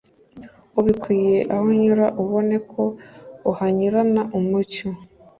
ubikwiye aho unyura abone ko uhanyurana umucyo.